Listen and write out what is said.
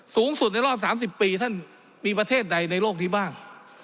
สูงสุดในรอบ๓๐ปีท่านมีประเทศใดในโลกนี้บ้าง